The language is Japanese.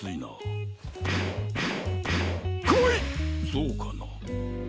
そうかな？